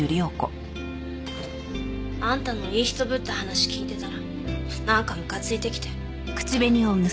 あんたのいい人ぶった話聞いてたらなんかむかついてきて。